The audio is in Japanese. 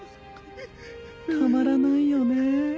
たまらないよね